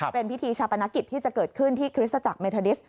เป็นพิธีชาปนกิจที่จะเกิดขึ้นที่คริสตจักรเมธาดิส